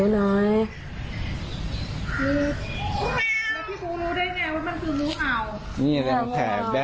เล็ก